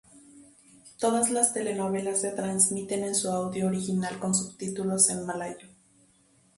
Todas las telenovelas se transmiten en su audio original con subtítulos en malayo.